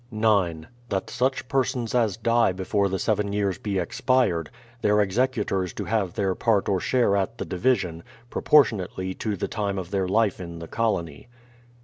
9. That such persons as die before the seven years be expired, / THE PLYMOUTH SETTLEMENT 39 their executors to have their part or share at the division, propor tionately to the time of their life in the colony.